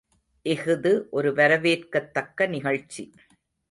இஃது ஒரு வரவேற்கத்தக்க நிகழ்ச்சி.